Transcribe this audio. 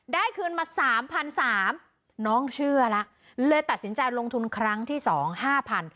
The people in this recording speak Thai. คืนมาสามพันสามน้องเชื่อละเลยตัดสินใจลงทุนครั้งที่สองห้าพัน